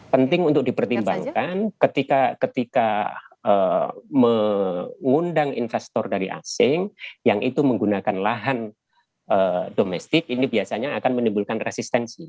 penting untuk dipertimbangkan ketika mengundang investor dari asing yang itu menggunakan lahan domestik ini biasanya akan menimbulkan resistensi